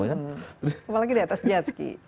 apalagi di atas jetski